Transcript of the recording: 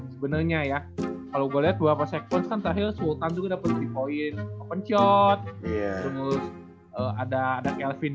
sebenarnya ya kalau gue lihat ke seksi bukan beverly powenski